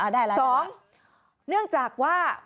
ได้แล้ว๒เนื่องจากว่า